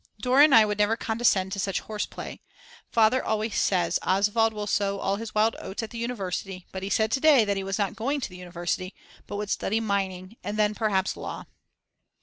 Dora and I would never condescend to such horseplay. Father always says Oswald will sow all his wild oats at the university, but he said to day that he was not going to the university, but would study mining, and then perhaps law.